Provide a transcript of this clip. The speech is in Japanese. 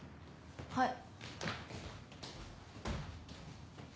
はい。